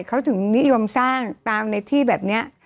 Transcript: เขาถึงนิยมสร้างตามในที่แบบนี้